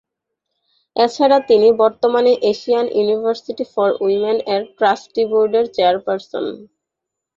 এছাড়া তিনি বর্তমানে এশিয়ান ইউনিভার্সিটি ফর উইমেন এর ট্রাস্টি বোর্ডের চেয়ারপার্সন।